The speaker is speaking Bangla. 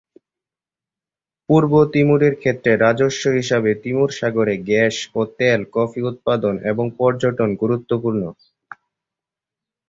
পূর্ব তিমুরের ক্ষেত্রে রাজস্ব হিসাবে তিমুর সাগরে গ্যাস ও তেল, কফি উৎপাদন এবং পর্যটন গুরুত্বপূর্ণ।